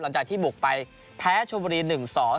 หลังจากที่บวกซึ่งแพ้ชวบบุรีเฉพาะ๑๒